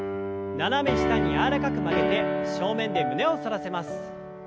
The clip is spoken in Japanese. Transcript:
斜め下に柔らかく曲げて正面で胸を反らせます。